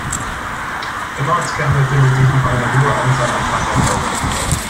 Im Ortskern befindet sich noch eine hohe Anzahl an Fachwerkhäusern.